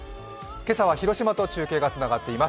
今朝は広島と中継がつながっています。